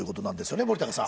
森高さん。